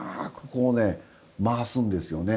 こうね回すんですよね。